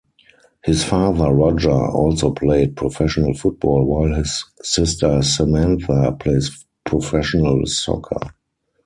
His father Roger also played professional football, while his sister Samantha plays professional soccer.